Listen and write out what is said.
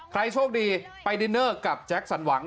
ใครโชคดีไปดินเนอร์กับแจ็คสันหวัง